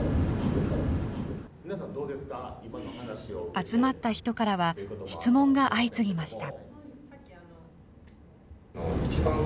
集まった人からは質問が相次ぎました。